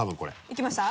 いきました？